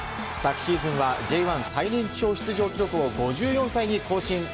昨シーズンはＪ１最年長出場記録を５４歳に更新。